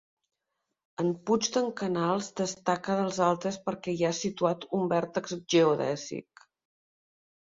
En puig d'en Canals destaca dels altres perquè hi ha situat un vèrtex geodèsic.